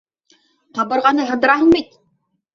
Ҡабырғаны һындыраһың бит!